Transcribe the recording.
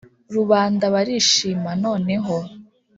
rubanda barishima; noneho